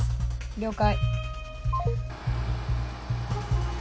了解。